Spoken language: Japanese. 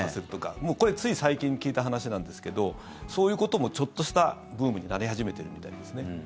もうこれつい最近聞いた話なんですけどそういうこともちょっとしたブームになり始めてるみたいですね。